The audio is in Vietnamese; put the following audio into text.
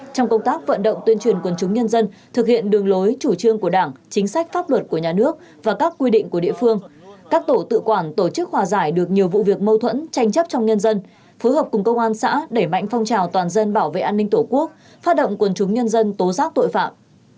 trong công tác vận động tuyên truyền quần chúng nhân dân thực hiện đường lối chủ trương của đảng chính sách pháp luật của nhà nước và các quy định của địa phương các tổ tự quản tổ chức hòa giải được nhiều vụ việc mâu thuẫn tranh chấp trong nhân dân phối hợp cùng công an xã đẩy mạnh phong trào toàn dân bảo vệ an ninh tổ quốc phát động quần chúng nhân dân tố giác tội phạm